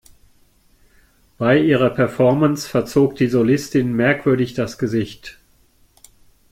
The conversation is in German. Bei ihrer Performance verzog die Solistin merkwürdig das Gesicht.